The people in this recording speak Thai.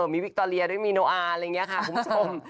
มีวิคโตเรียด้วยมีโนอาร์อะไรอย่างนี้ค่ะคุณผู้ชม